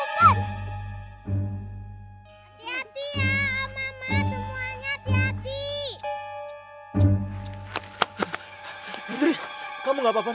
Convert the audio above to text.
putri kamu gak apa apa nek